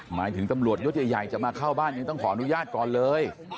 หมายถึงตำรวจยศใหญ่จะมาเข้าบ้านยังต้องขออนุญาตก่อนเลย